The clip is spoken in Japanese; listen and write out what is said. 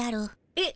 えっ？